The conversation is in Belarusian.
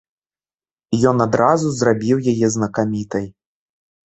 Ён адразу зрабіў яе знакамітай.